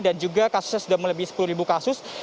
dan juga kasusnya sudah melebihi sepuluh kasus